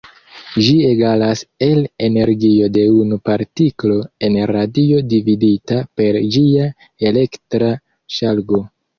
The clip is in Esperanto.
Ĝi egalas el energio de unu partiklo en radio dividita per ĝia elektra ŝargo.